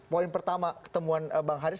poin pertama temuan bang haris